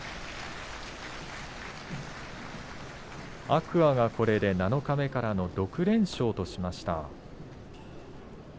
天空海が七日目からの６連勝としました。